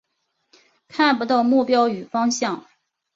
看不到目标与方向